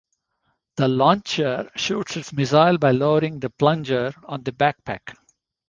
The launcher shoots its missiles by lowering the plunger on the backpack.